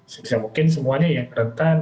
semoga semuanya rentan